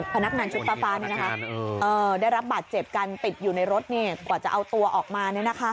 พนักงานชุดฟ้าได้รับบาดเจ็บกันติดอยู่ในรถกว่าจะเอาตัวออกมา